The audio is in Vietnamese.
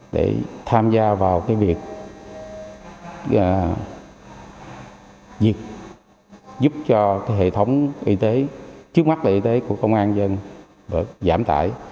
để tham gia vào việc giúp cho hệ thống y tế trước mắt là y tế của công an dân được giảm tải